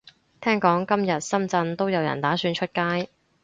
聽講今日深圳都有人打算出街